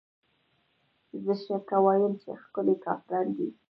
زه شکه وايمه چې ښکلې کافران دي